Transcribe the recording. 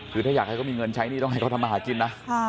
คือถ้าอยากให้เขามีเงินใช้หนี้ต้องให้เขาทำมาหากินนะ